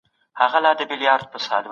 د کندهار شاوخوا سیمې څنګه خوندي سوې؟